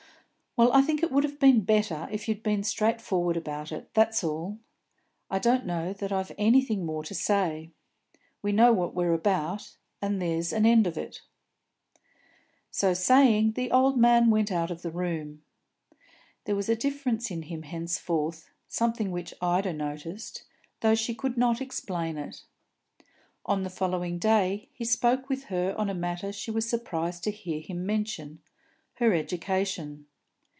"Well, I think it would have been better if you'd been straightforward about it, that's all. I don't know that I've anything more to say. We know what we're about, and there's an end of it." So saying, the old man went out of the room. There was a difference in him henceforth, something which Ida noticed, though she could not explain it. On the following day he spoke with her on a matter she was surprised to hear him mention, her education.